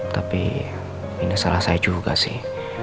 tapi ini salah saya juga sih